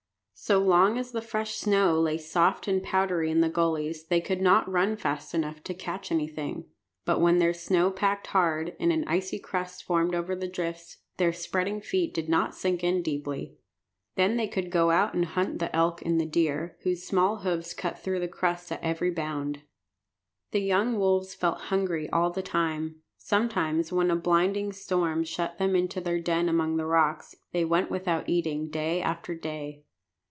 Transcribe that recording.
So long as the fresh snow lay soft and powdery in the gullies they could not run fast enough to catch anything, but when the snow packed hard, and an icy crust formed over the drifts, their spreading feet did not sink in deeply. Then they could go out and hunt the elk and the deer, whose small hoofs cut through the crust at every bound. The young wolves felt hungry all the time. Sometimes, when a blinding storm shut them into their den among the rocks, they went without eating day after day.